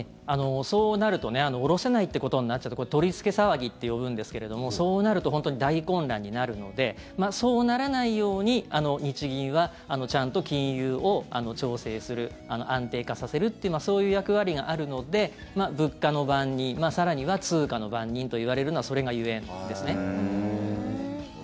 そうなると下ろせないってことになっちゃうとこれ、取り付け騒ぎって呼ぶんですけれどもそうなると本当に大混乱になるのでそうならないように日銀はちゃんと金融を調整する安定化させるっていうそういう役割があるので物価の番人更には通貨の番人といわれるのはそれがゆえんですね。